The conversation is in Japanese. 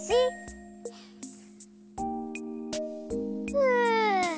ふう。